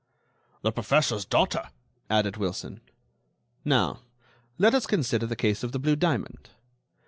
"The professor's daughter," added Wilson. "Now, let us consider the case of the blue diamond.